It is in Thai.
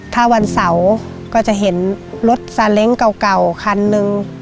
ถ้าวันเสาร์ก็จะเห็นรถซาเล้งเก่าคันนึง